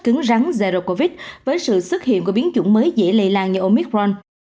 cứng rắn zero covid với sự xuất hiện của biến chủng mới dễ lây lan như omitron